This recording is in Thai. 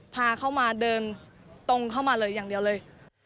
พาเข้ามาเดินตรงเข้ามาเลยอย่างเดียวเลย